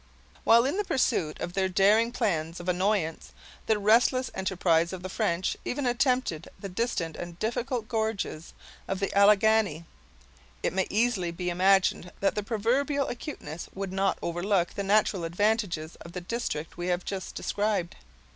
While, in the pursuit of their daring plans of annoyance, the restless enterprise of the French even attempted the distant and difficult gorges of the Alleghany, it may easily be imagined that their proverbial acuteness would not overlook the natural advantages of the district we have just described.